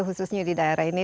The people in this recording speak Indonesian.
khususnya di daerah ini